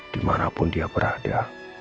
dimanapun dia berada